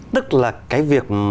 tức là cái việc